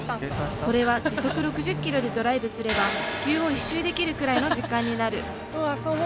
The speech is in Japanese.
これは時速６０キロでドライブすれば地球を一周できるくらいの時間になる。